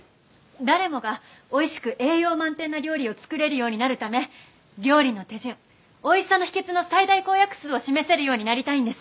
誰もがおいしく栄養満点な料理を作れるようになるため料理の手順おいしさの秘訣の最大公約数を示せるようになりたいんです。